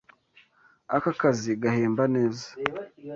Aka kazi gahemba neza.